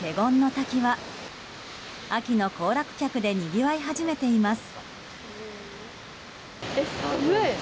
滝は秋の行楽客でにぎわい始めています。